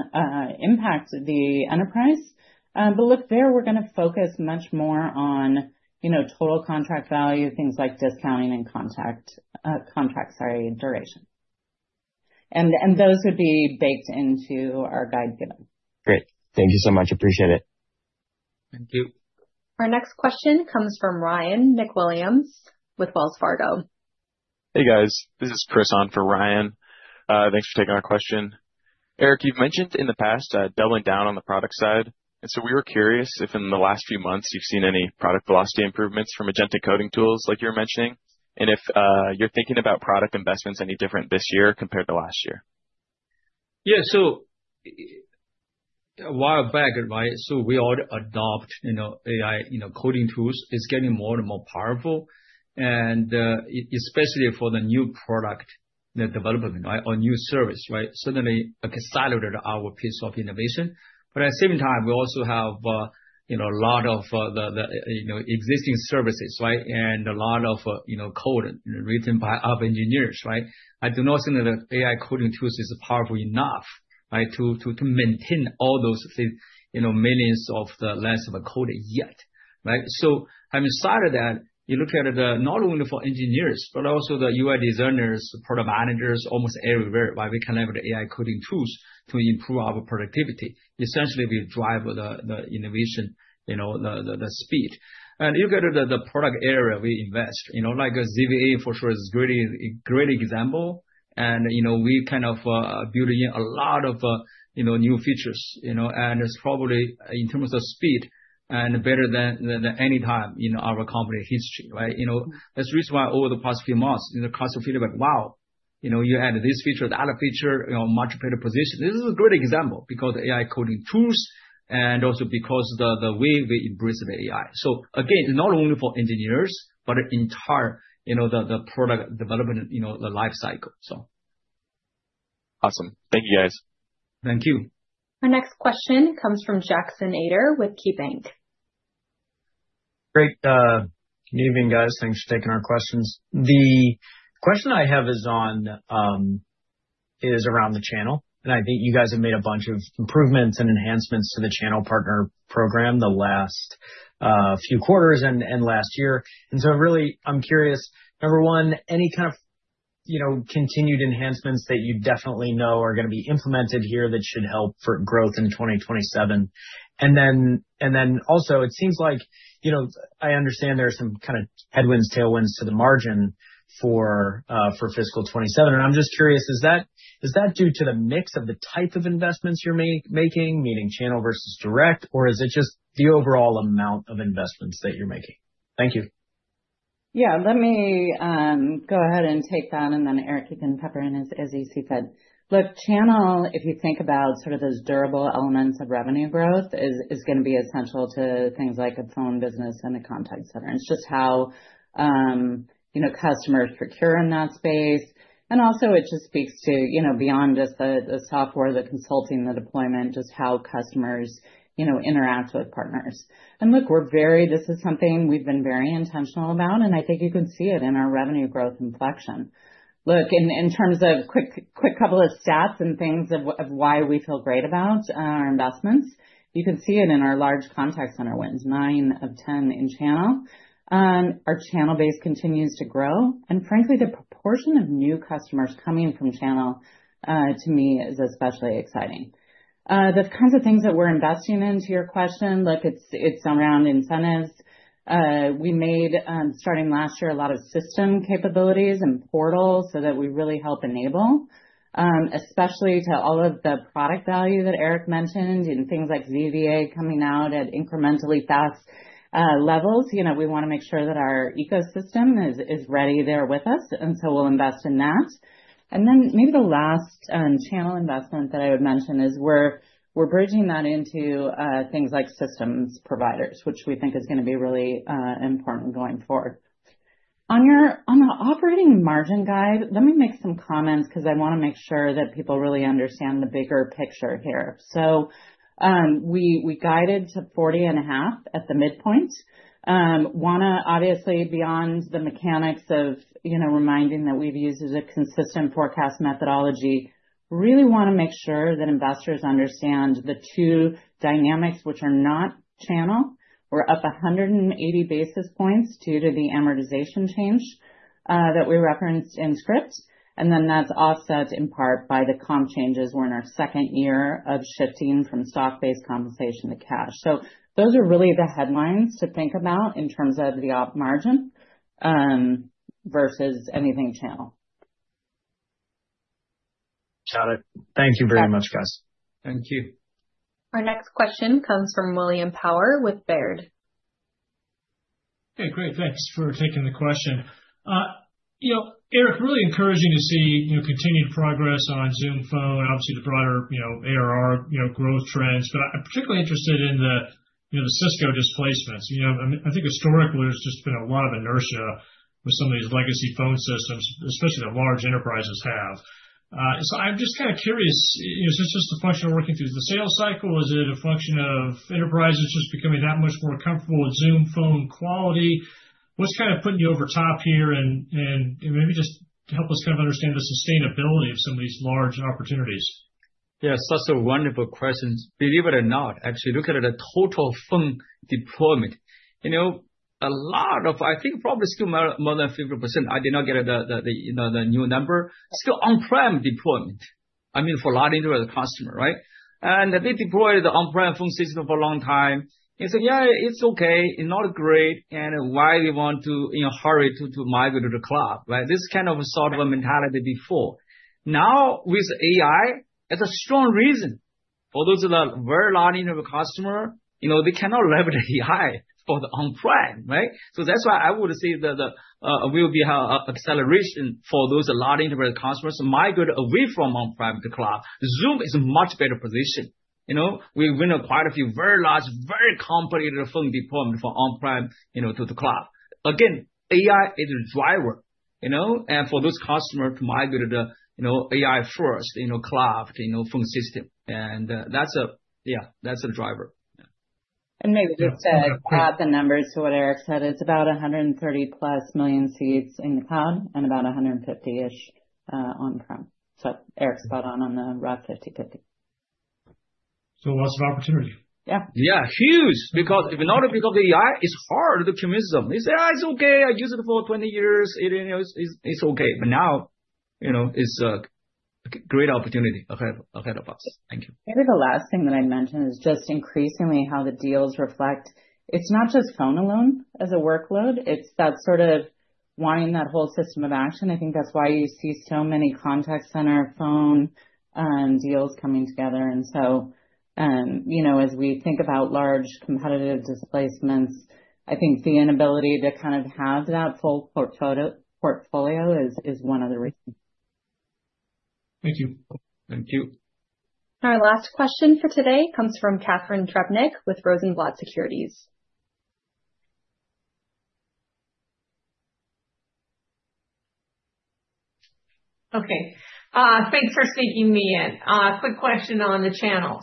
impact the enterprise. Look, there, we're going to focus much more on, you know, total contract value, things like discounting and contact, contract, sorry, duration. Those would be baked into our guide given. Great. Thank you so much. Appreciate it. Thank you. Our next question comes from Ryan MacWilliams with Wells Fargo. Hey, guys. This is Chris on for Ryan. Thanks for taking our question. Eric, you've mentioned in the past, doubling down on the product side. We were curious if in the last few months, you've seen any product velocity improvements from Magenta coding tools like you were mentioning, and if you're thinking about product investments any different this year compared to last year? A while back, right, so we all adopt, you know, AI, you know, coding tools. It's getting more and more powerful, and especially for the new product, the development, right, or new service, right? Certainly accelerated our piece of innovation. At the same time, we also have, you know, a lot of, the, you know, existing services, right? A lot of, you know, code written by our engineers, right? I do not think that the AI coding tools is powerful enough, right, to maintain all those, you know, millions of the lines of code yet, right? I'm excited that you look at it not only for engineers, but also the UI designers, product managers, almost everywhere, right, we can have the AI coding tools to improve our productivity. Essentially, we drive the innovation, you know, the speed. You look at the product area we invest, you know, like ZVA for sure is really a great example. You know, we kind of building in a lot of new features, you know, and it's probably in terms of speed and better than any time in our company history, right? You know, that's the reason why over the past few months, you know, customers feel like, wow, you know, you add this feature, the other feature, you know, much better position. This is a good example, because AI coding tools and also because the way we embrace the AI. Again, not only for engineers, but entire, you know, the product development, you know, the life cycle, so. Awesome. Thank you, guys. Thank you. Our next question comes from Jackson Ader with KeyBanc. Great. Good evening, guys. Thanks for taking our questions. The question I have is on is around the channel. I think you guys have made a bunch of improvements and enhancements to the channel partner program the last few quarters and last year. I'm really curious, number one, any kind of, you know, continued enhancements that you definitely know are going to be implemented here that should help for growth in 2027? Also, it seems like, you know, I understand there are some kind of headwinds, tailwinds to the margin for fiscal 2027. I'm just curious, is that due to the mix of the type of investments you're making, meaning channel versus direct? Or is it just the overall amount of investments that you're making? Thank you. Yeah. Let me go ahead and take that. Then Eric, you can pepper in as easy you could. Look, channel, if you think about sort of those durable elements of revenue growth, is going to be essential to things like a phone business and a contact center. It's just how, you know, customers procure in that space. Also it just speaks to, you know, beyond just the software, the consulting, the deployment, just how customers, you know, interact with partners. Look, this is something we've been very intentional about, and I think you can see it in our revenue growth inflection. Look, in terms of quick couple of stats and things of why we feel great about our investments, you can see it in our large Contact Center wins, nine of 10 in channel. Our channel base continues to grow, and frankly, the proportion of new customers coming from channel, to me, is especially exciting. The kinds of things that we're investing in, to your question, like, it's around incentives. We made, starting last year, a lot of system capabilities and portals so that we really help enable, especially to all of the product value that Eric mentioned and things like ZVA coming out at incrementally fast levels. You know, we want to make sure that our ecosystem is ready there with us, and so we'll invest in that. Then maybe the last channel investment that I would mention is we're bridging that into things like systems providers, which we think is going to be really important going forward. On the operating margin guide, let me make some comments because I want to make sure that people really understand the bigger picture here. We guided to 40.5% at the midpoint. Wanna obviously, beyond the mechanics of, you know, reminding that we've used as a consistent forecast methodology, really want to make sure that investors understand the two dynamics which are not channel. We're up 180 basis points due to the amortization change that we referenced in scripts, and then that's offset in part by the comp changes. We're in our second year of shifting from stock-based compensation to cash. Those are really the headlines to think about in terms of the op margin versus anything channel. Got it. Thank you very much, guys. Thank you. Our next question comes from William Power with Baird. Hey, great. Thanks for taking the question. you know, Eric, really encouraging to see, you know, continued progress on Zoom Phone, obviously the broader, you know, ARR, you know, growth trends, but I'm particularly interested in the, you know, the Cisco displacements. You know, I think historically, there's just been a lot of inertia with some of these legacy phone systems, especially that large enterprises have. I'm just kind of curious, is this just a function of working through the sales cycle? Is it a function of enterprises just becoming that much more comfortable with Zoom Phone quality? What's kind of putting you over top here and maybe just to help us kind of understand the sustainability of some of these large opportunities? Such a wonderful question. Believe it or not, actually, look at it, a total phone deployment. A lot of, I think probably still more than 50%, I did not get the new number, still on-prem deployment. I mean, for a lot of enterprise customer, right? They deployed the on-prem phone system for a long time and said, "It's okay. It's not great, and why they want to hurry to migrate to the cloud." Right? This kind of sort of a mentality before. Now, with AI, it's a strong reason for those of the very large enterprise customer, they cannot leverage AI for the on-prem, right? That's why I would say that will be an acceleration for those large enterprise customers to migrate away from on-prem to cloud. Zoom is a much better position, you know? We win quite a few very large, very competitive phone deployment for on-prem, you know, to the cloud. Again, AI is a driver, you know, and for those customers to migrate to the, you know, AI-first, you know, cloud, you know, phone system. That's a driver. Maybe just to add the numbers to what Eric said, it's about 130+ million seats in the cloud and about 150-ish on-prem. Eric's spot on the rough 50/50. Lots of opportunity? Yeah. Yeah, huge. Because if not because of AI, it's hard to convince them. They say, "It's okay, I use it for 20 years. It, you know, it's okay." Now, you know, it's a great opportunity ahead of us. Thank you. Maybe the last thing that I'd mention is just increasingly how the deals reflect. It's not just phone alone as a workload, it's that sort of wanting that whole system of action. I think that's why you see so many Contact Center, Phone, deals coming together. You know, as we think about large competitive displacements, I think the inability to kind of have that full portfolio is one of the reasons. Thank you. Thank you. Our last question for today comes from Catharine Trebnick with Rosenblatt Securities. Okay, thanks for sneaking me in. Quick question on the channel.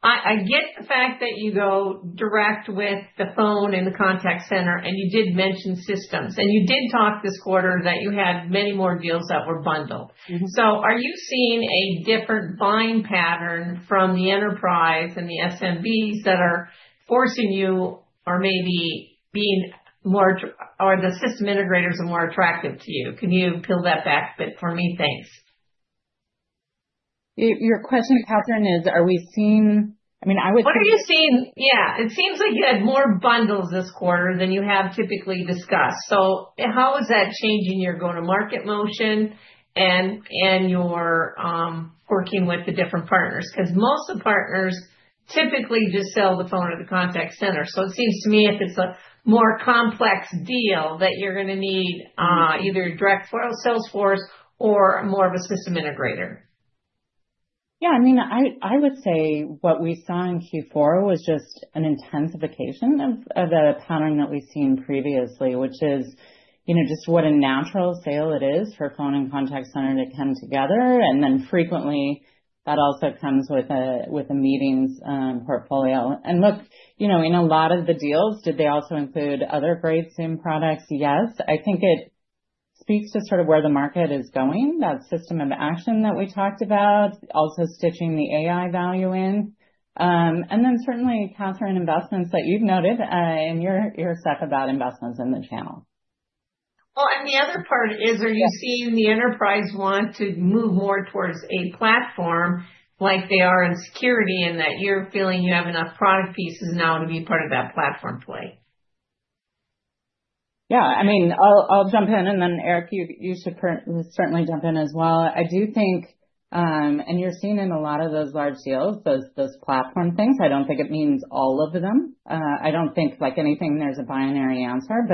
I get the fact that you go direct with the Phone and the Contact Center, and you did mention systems, and you did talk this quarter that you had many more deals that were bundled. Are you seeing a different buying pattern from the Enterprise and the SMBs that are forcing you or maybe being more...? Are the system integrators more attractive to you? Can you peel that back a bit for me? Thanks. Your question, Catherine, is, are we seeing, I mean— What are you seeing? Yeah, it seems like you had more bundles this quarter than you have typically discussed. How is that changing your go-to-market motion and your working with the different partners? Because most of the partners typically just sell the phone or the contact center. It seems to me, if it's a more complex deal, that you're gonna need either direct salesforce or more of a system integrator. I mean, I would say what we saw in Q4 was just an intensification of a pattern that we've seen previously, which is, you know, just what a natural sale it is for Phone and Contact Center to come together. Frequently, that also comes with a meetings portfolio. Look, you know, in a lot of the deals, did they also include other great Zoom products? Yes. I think it speaks to sort of where the market is going, that system of action that we talked about, also stitching the AI value in. Certainly, Catharine, investments that you've noted in your stack about investments in the channel. The other part is, are you seeing the Enterprise want to move more towards a platform like they are in security, and that you're feeling you have enough product pieces now to be part of that platform play? Yeah, I mean, I'll jump in, and then Eric, you should certainly jump in as well. I do think, you're seeing in a lot of those large deals, those platform things. I don't think it means all of them. I don't think like anything, there's a binary answer,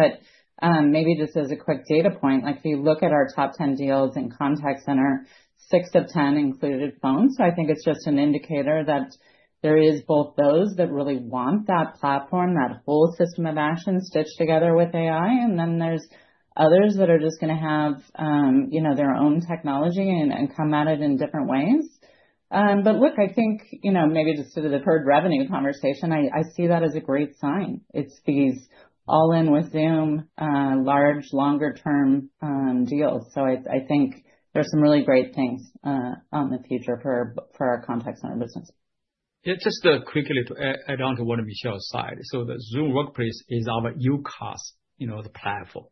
maybe just as a quick data point, like, if you look at our top 10 deals in contact center, six-10 included phone. I think it's just an indicator that there is both those that really want that platform, that whole system of action stitched together with AI, and then there's others that are just gonna have, you know, their own technology and come at it in different ways. I think, you know, maybe just to the per revenue conversation, I see that as a great sign. It's these all-in with Zoom, large, longer-term, deals. I think there's some really great things on the future for our contact center business. Yeah, just quickly add on to what Michelle said. The Zoom Workplace is our UCaaS, you know, the platform.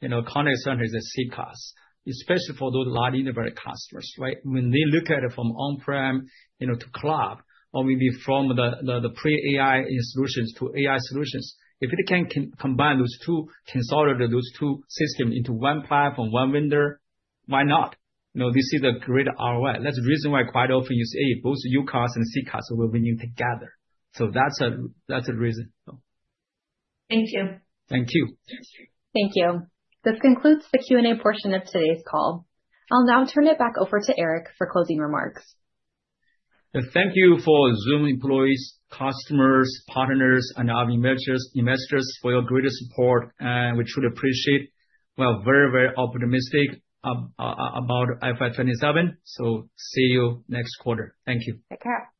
You know, contact center is a CCaaS, especially for those large enterprise customers, right? When they look at it from on-prem, you know, to cloud, or maybe from the pre-AI solutions to AI solutions, if they can combine those two, consolidate those two systems into one platform, one vendor, why not? You know, this is a great ROI. That's the reason why quite often you see both UCaaS and CCaaS will renew together. That's a reason. Thank you. Thank you. Thank you. Thank you. This concludes the Q&A portion of today's call. I'll now turn it back over to Eric for closing remarks. Thank you for Zoom employees, customers, partners, and our investors, for your great support, and we truly appreciate. We are very, very optimistic about FY 2027, so see you next quarter. Thank you. Take care.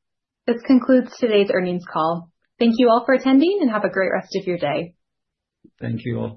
This concludes today's earnings call. Thank you all for attending, and have a great rest of your day. Thank you all.